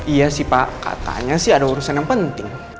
iya sih pak katanya sih ada urusan yang penting